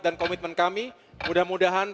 dan komitmen kami mudah mudahan